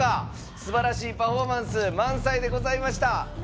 すばらしいパフォーマンス満載でございました。